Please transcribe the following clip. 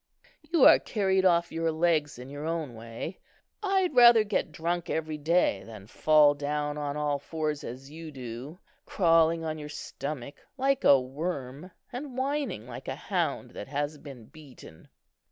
You are carried off your legs in your own way. I'd rather get drunk every day than fall down on all fours as you do, crawling on your stomach like a worm, and whining like a hound that has been beaten."